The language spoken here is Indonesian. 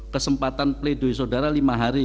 kesempatan pleidoi saudara lima hari